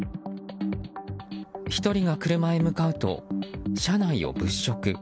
１人が車へ向かうと、車内を物色。